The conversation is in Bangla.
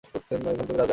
এখন তুমি রাজা!